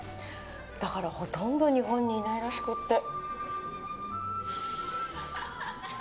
だからほとんど日本にいないらしくって。